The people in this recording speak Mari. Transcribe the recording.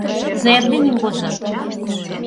Заявленийым возо.